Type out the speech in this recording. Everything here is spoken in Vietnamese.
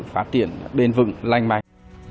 phát triển bền vững lành mạnh